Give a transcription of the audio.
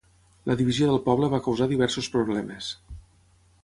La divisió del poble va causar diversos problemes.